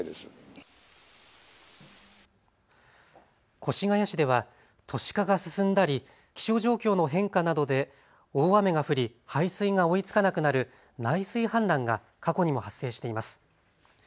越谷市では都市化が進んだり気象状況の変化などで大雨が降り排水が追いつかなくなる内水氾濫が過去にも発生しています。